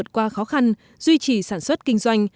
qua khó khăn duy trì sản xuất kinh doanh